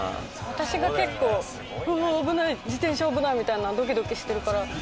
私が結構自転車危ない！みたいなドキドキしてるから。